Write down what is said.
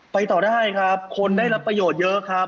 ต่อได้ครับคนได้รับประโยชน์เยอะครับ